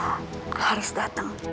mila harus datang